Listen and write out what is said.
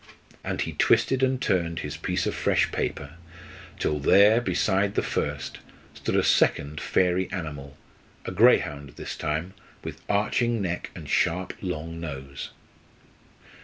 And he twisted and turned his piece of fresh paper, till there, beside the first, stood a second fairy animal a greyhound this time, with arching neck and sharp long nose.